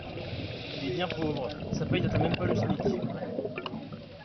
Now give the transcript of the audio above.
Il est bien pauvre, sa paye n’atteint même pas le SMIC.